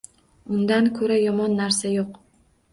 Undan ko’ra yomon narsa yo’q.